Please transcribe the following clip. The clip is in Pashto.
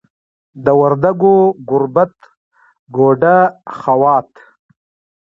د وردګو ګوربت، ګوډه، خوات